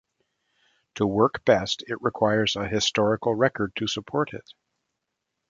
To work best it requires a historical record to support it.